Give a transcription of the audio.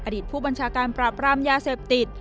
อดีตผู้บัญชาการปราบรามยาเสพติด